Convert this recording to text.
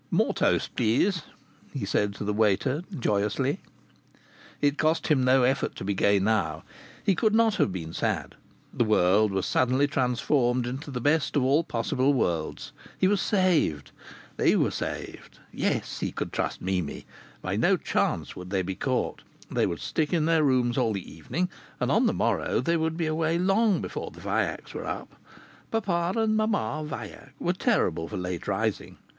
"More toast, please," he said to the waiter, joyously. It cost him no effort to be gay now. He could not have been sad. The world was suddenly transformed into the best of all possible worlds. He was saved! They were saved! Yes, he could trust Mimi. By no chance would they be caught. They would stick in their rooms all the evening, and on the morrow they would be away long before the Vaillacs were up. Papa and "mamma" Vaillac were terrible for late rising.